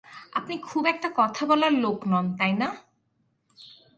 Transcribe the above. আপনি খুব একটা কথা বলার লোক নন, তাই না?